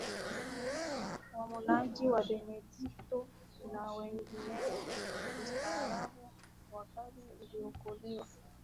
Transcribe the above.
wamonaki Wabenedikto na wengineo ustaarabu wa kale uliokolewa